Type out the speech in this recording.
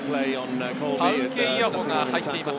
タウケイアホが入っています。